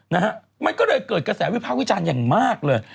นะฮะมันก็เลยเกิดกระแสวิภาควิจารณ์อย่างมากเลย